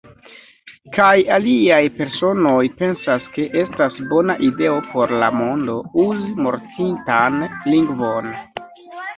Kaj aliaj personoj pensas ke estas bona ideo por la mondo, uzi mortintan lingvon.